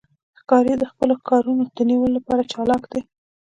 ښکاري د خپلو ښکارونو د نیولو لپاره چالاک دی.